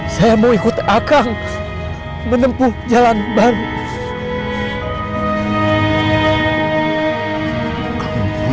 saya mau ikut akang menempuh jalan bangsa